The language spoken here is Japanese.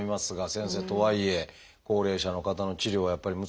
先生とはいえ高齢者の方の治療はやっぱり難しいですね。